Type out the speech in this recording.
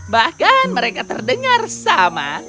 bahkan mereka terdengar sama